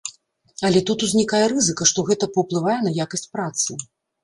Але тут узнікае рызыка, што гэта паўплывае на якасць працы.